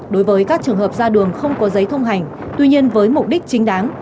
đối với các trường hợp ra đường không có giấy thông hành tuy nhiên với mục đích chính đáng